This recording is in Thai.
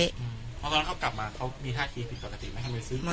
ตอนนั้นเขากลับมาเขามีท่าทีผิดปกติไหมทำไมซื้อปูทำไมไม่มา